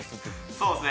そうですね。